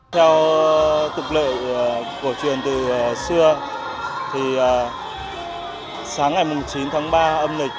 theo cục lệ cổ truyền từ xưa thì sáng ngày mùng chín tháng ba âm lịch tháng năm khi tổ chức lễ hội chính